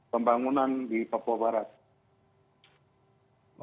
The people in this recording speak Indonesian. pembangunan di papua barat